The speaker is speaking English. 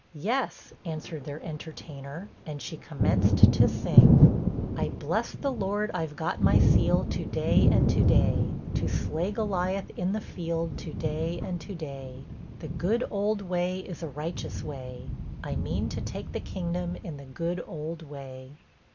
'Yes,' answered their entertainer, and she commenced to sing: 'I bless the Lord I've got my seal to day and to day To slay Goliath in the field to day and to day; The good old way is a righteous way, I mean to take the kingdom in the good old way.'